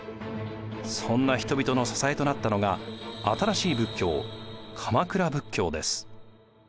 そんな人々の支えとなったのが新しい仏教鎌倉仏教です。